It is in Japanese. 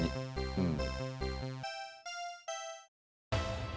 うん。